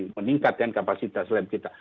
meningkatkan kapasitas lab kita